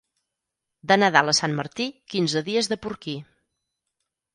De Nadal a Sant Martí, quinze dies de porquí.